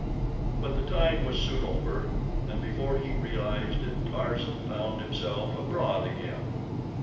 But the time was soon over, and before he realized it Tarzan found himself abroad again.